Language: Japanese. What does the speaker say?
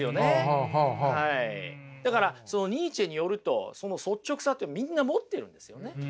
だからニーチェによるとその率直さってみんな持ってるんですよね。